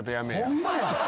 ホンマや！